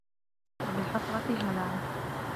وَبِالْحَسْرَةِ هَلَعًا